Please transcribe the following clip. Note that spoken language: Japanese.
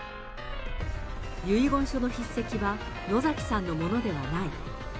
遺言書の筆跡は野崎さんのものではない。